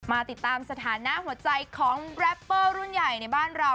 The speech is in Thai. มาติดตามสถานะหัวใจของแรปเปอร์รุ่นใหญ่ในบ้านเรา